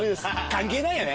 関係ないよね。